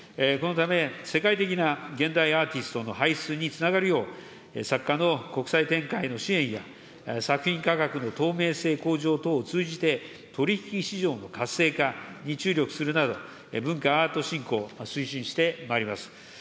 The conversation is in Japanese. このため、世界的な現代アーティストの輩出につながるよう、作家の国際展開の支援や、作品価格の透明性向上等を通じて、取り引き市場の活性化に注力するなど、文化・アート振興を推進してまいります。